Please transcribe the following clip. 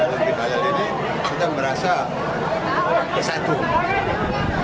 dalam halal bihalal ini kita merasa kesatuan